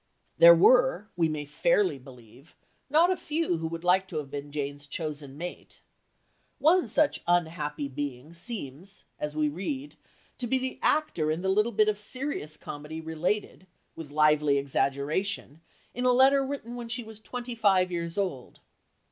There were, we may fairly believe, not a few who would like to have been Jane's chosen mate. One such unhappy being seems, as we read, to be the actor in the little bit of serious comedy related, with lively exaggeration, in a letter written when she was twenty five years old.